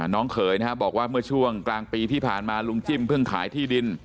เขยนะครับบอกว่าเมื่อช่วงกลางปีที่ผ่านมาลุงจิ้มเพิ่งขายที่ดิน